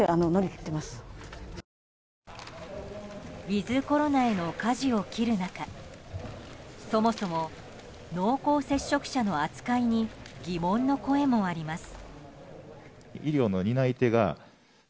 ウィズコロナへのかじを切る中そもそも濃厚接触者の扱いに疑問の声もあります。